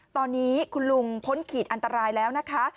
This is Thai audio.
ตอนนี้คุณลุงพ้นขีดอันตรายแล้วนะคะ